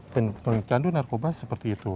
ya pecandu narkoba seperti itu